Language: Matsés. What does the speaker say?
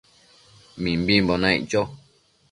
Mimbimbo naic cho